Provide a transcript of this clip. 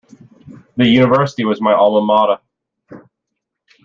The university was my Alma Mata.